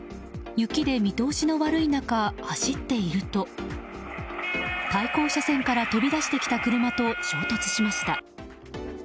雪で見通しの悪い中走っていると対向車線から飛び出してきた車と衝突しました。